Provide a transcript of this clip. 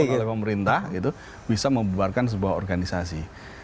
judgment oleh pemerintah bisa membubarkan sebuah organisasi